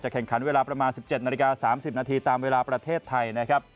แข่งขันเวลาประมาณ๑๗นาฬิกา๓๐นาทีตามเวลาประเทศไทยนะครับ